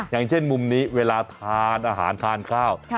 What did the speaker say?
อย่างเช่นมุมนี้เวลาทานอาหารทานข้าว